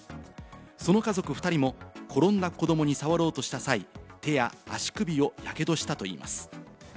その家族２人も転んだ子どもに触ろうとした際、手や足首をやけどしたといいます。